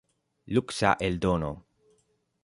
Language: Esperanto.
Luksa eldono.